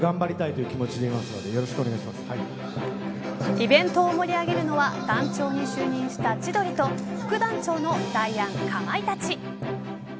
イベントを盛り上げるのは団長に就任した千鳥と副団長のダイアン、かまいたち。